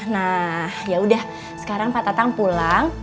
nah yaudah sekarang pak tatang pulang